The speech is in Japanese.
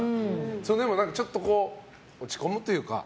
それでもちょっと落ち込むというか